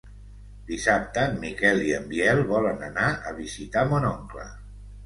Dissabte en Miquel i en Biel volen anar a visitar mon oncle.